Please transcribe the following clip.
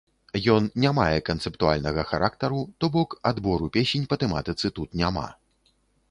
Ён не мае канцэптуальнага характару, то бок, адбору песень па тэматыцы тут няма.